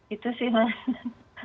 itu sih mas